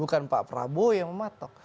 bukan pak prabowo yang mematok